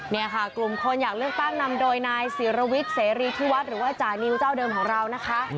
นี่ค่ะกลุ่มคนอยากเลือกตั้งนำโดยนายศิรวิทย์เสรีที่วัดหรือว่าจานิวเจ้าเดิมของเรานะคะ